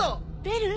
ベル？